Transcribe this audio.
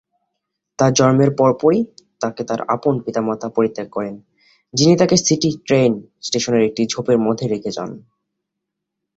তার জন্মের পরপরই, তাকে তার আপন পিতামাতা পরিত্যাগ করেন, যিনি তাকে সিটি ট্রেন স্টেশনের একটি ঝোপের মধ্যে রেখে যান।